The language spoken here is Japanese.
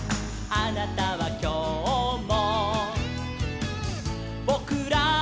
「あなたはきょうも」